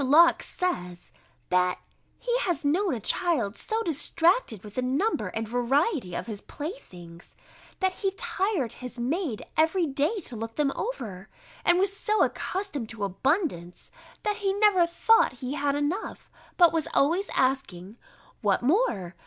Locke says, that he has known a child so distracted with the number and variety of his playthings, that he tired his maid every day to look them over: and was so accustomed to abundance, that he never thought he had enough, but was always asking, "What more?